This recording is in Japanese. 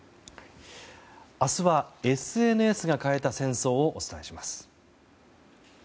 明日は、ＳＮＳが変えた戦争をお伝えします。